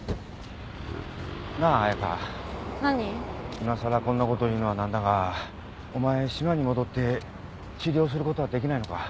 今更こんなこと言うのは何だがお前島に戻って治療することはできないのか？